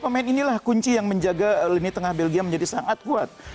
pemain inilah kunci yang menjaga lini tengah belgia menjadi sangat kuat